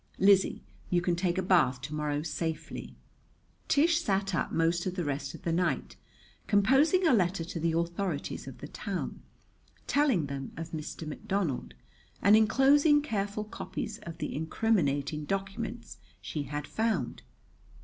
Lizzie, you can take a bath to morrow safely." Tish sat up most of the rest of the night composing a letter to the authorities of the town, telling them of Mr. McDonald and enclosing careful copies of the incriminating documents she had found.